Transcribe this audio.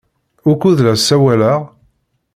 Wukud la ssawaleɣ?